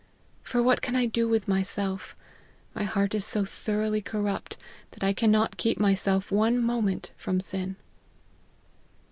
For what can I do with myself ? my heart is so thoroughly corrupt, that I cannot keep myself one moment from sin."